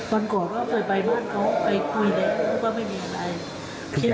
วันก่อนว่าเคยไปบ้านเค้าไปคุยแล้วนึกว่าไม่มีอะไร